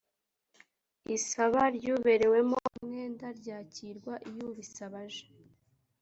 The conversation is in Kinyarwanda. isaba ry’uberewemo umwenda ryakirwa iyo ubisaba aje